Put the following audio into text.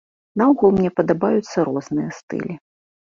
Наогул мне падабаюцца розныя стылі.